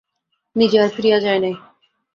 নিজে আর ফিরিয়া যায় নাই।